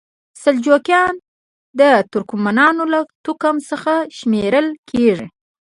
سلجوقیان د ترکمنانو له توکم څخه شمیرل کیږي.